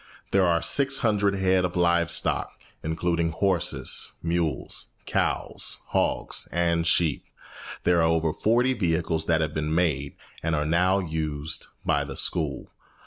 There are six hundred head of live stock, including horses, mules, cows, hogs, and sheep. There are over forty vehicles that have been made, and are now used, by the school.